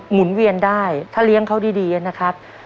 หุ่นเวียนได้ถ้าเลี้ยงเขาดีนะครับ